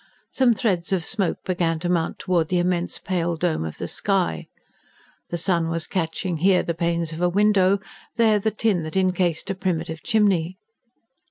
Some threads of smoke began to mount towards the immense pale dome of the sky. The sun was catching here the panes of a window, there the tin that encased a primitive chimney.